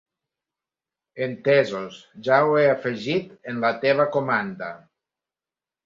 Entesos, ja ho he afegit en la teva comanda.